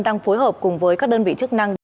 đang phối hợp cùng với các đơn vị chức năng